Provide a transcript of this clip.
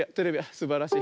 すばらしい。